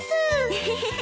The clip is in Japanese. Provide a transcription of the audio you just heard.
エヘヘヘ。